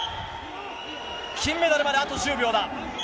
金メダルまであと１０秒。